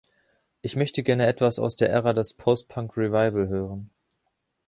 Ich möchte gerne etwas aus der Ära des Post-punk Revival hören.